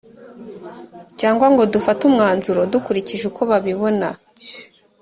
cyangwa ngo dufate umwanzuro dukurikije uko babibona